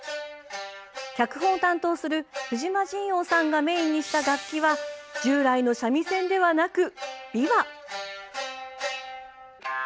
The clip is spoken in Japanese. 脚本を担当する、藤間仁凰さんがメインにした楽器は従来の三味線ではなく、琵琶。